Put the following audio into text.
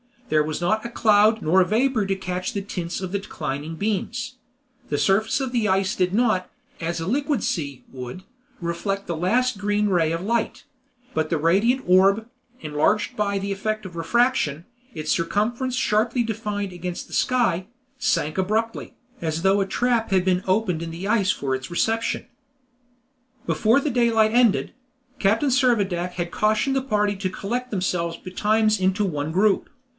There was not a cloud nor a vapor to catch the tints of the declining beams; the surface of the ice did not, as a liquid sea would, reflect the last green ray of light; but the radiant orb, enlarged by the effect of refraction, its circumference sharply defined against the sky, sank abruptly, as though a trap had been opened in the ice for its reception. Before the daylight ended. Captain Servadac had cautioned the party to collect themselves betimes into one group.